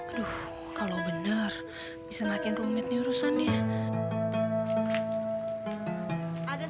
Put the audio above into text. aduh kalau bener bisa makin rumit nih urusan ya